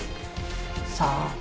さあ。